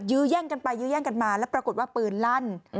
แย่งกันไปยื้อแย่งกันมาแล้วปรากฏว่าปืนลั่น